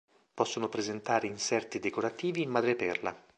Possono presentare inserti decorativi in madreperla.